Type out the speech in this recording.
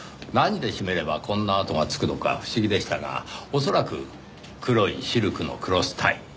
何で絞めればこんな痕が付くのか不思議でしたが恐らく黒いシルクのクロスタイ。